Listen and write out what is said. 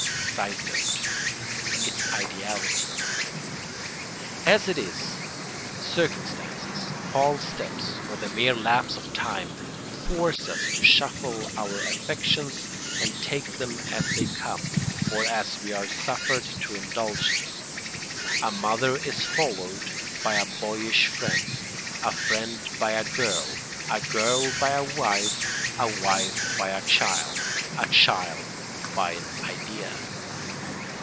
[Sidenote: Its ideality.] As it is, circumstances, false steps, or the mere lapse of time, force us to shuffle our affections and take them as they come, or as we are suffered to indulge them. A mother is followed by a boyish friend, a friend by a girl, a girl by a wife, a wife by a child, a child by an idea.